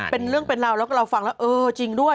เป็นเรื่องเป็นราวแล้วก็เราฟังแล้วเออจริงด้วย